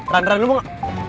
ran ran lo mau gak